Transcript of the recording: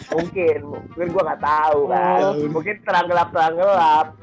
mungkin gue gak tau kan mungkin terang gelap terang gelap